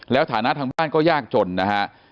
แล้วฐานะทางบ้านก็ยากจนนะฮะ